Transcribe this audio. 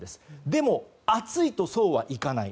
でも、暑いとそうはいかない。